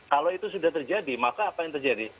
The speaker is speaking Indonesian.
kalau itu sudah terjadi maka apa yang terjadi